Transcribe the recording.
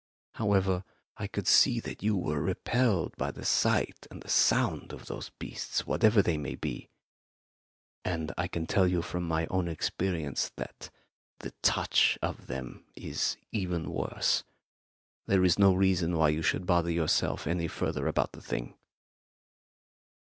However, I could see that you were repelled by the sight and the sound of these beasts, whatever they may be; and I can tell you from my own experience that the touch of them is even worse. There is no reason why you should bother yourself any further about the thing."